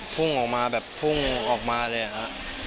พุ่งออกมาแบบพุ่งออกมาเลยครับ